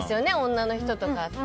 女の人とかって。